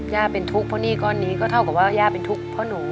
เป็นทุกข์เพราะหนี้ก้อนนี้ก็เท่ากับว่าย่าเป็นทุกข์เพราะหนู